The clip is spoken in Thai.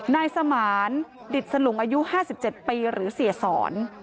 นายสมานดิตสลุงอายุ๕๗ปีหรือเสียสอน